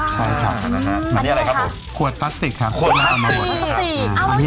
ที่เขาประมาณทำสิ่งของสวยงามแบบนี้